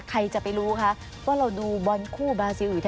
ใครจะไปรู้ว่าเราดูบรอนสู่บาซิลองค์อยู่แท้